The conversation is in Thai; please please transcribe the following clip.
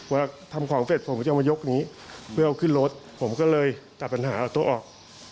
ว่าทำของเฟ็ดเราจะมายกนี้เราขึ้นรถผมก็เลย่จัดปัญหาตัวออก